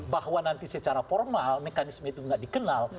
bahwa nanti secara formal mekanisme itu tidak dikenal